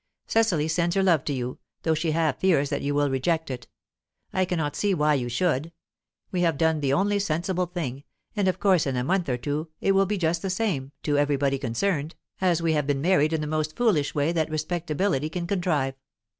"Cecily sends her love to you though she half fears that you will reject it. I cannot see why you should. We have done the only sensible thing, and of course in a month or two it will be just the same, to everybody concerned, as if we had been married in the most foolish way that respectability can contrive.